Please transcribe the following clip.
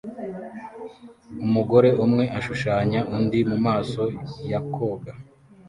Umugore umwe ashushanya undi mumaso ya koga